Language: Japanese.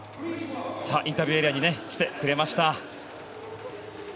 インタビューエリアに来てくれました。